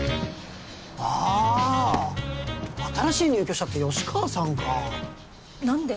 ああ新しい入居者って吉川さんか何で？